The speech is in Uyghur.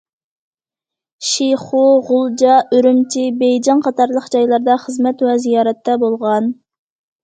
شىخۇ، غۇلجا، ئۈرۈمچى، بېيجىڭ قاتارلىق جايلاردا خىزمەت ۋە زىيارەتتە بولغان.